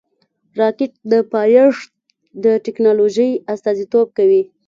راکټ د پایښت د ټېکنالوژۍ استازیتوب کوي